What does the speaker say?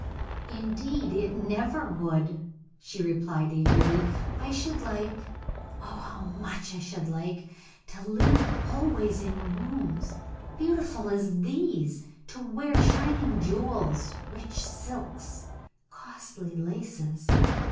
"Indeed, it never would," she replied, eagerly. "I should like oh, how much I should like! to live always in rooms beautiful as these, to wear shining jewels, rich silks, costly laces!